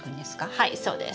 はいそうです。